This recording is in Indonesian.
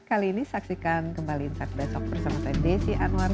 kali ini saksikan kembali insight besok bersama saya desi anwar